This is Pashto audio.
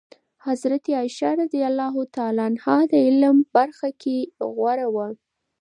حضرت عایشه رضي الله عنها د علم په برخه کې غوره وه.